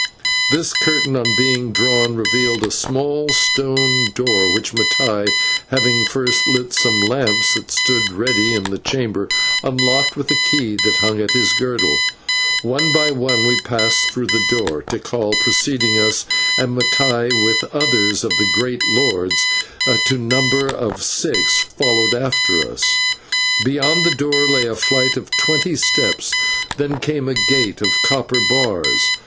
This curtain, on being drawn, revealed a small stone door, which Mattai, having first lit some lamps that stood ready in the chamber, unlocked with a key which hung at his girdle. One by one we passed through the door, Tikal preceding us, and Mattai, with others of the great lords, to the number of six, following after us. Beyond the door lay a flight of twenty steps, then came a gate of copper bars.